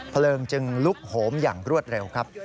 เพลิงจึงลุกโหมอย่างรวดเร็วครับ